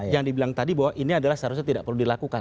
yang dibilang tadi bahwa ini adalah seharusnya tidak perlu dilakukan